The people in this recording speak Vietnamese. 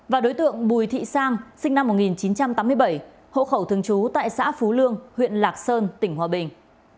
và đối tượng bùi thị sang sinh năm một nghìn chín trăm tám mươi bảy hộ khẩu thường trú tại xã phú lương huyện lạc sơn tỉnh hòa bình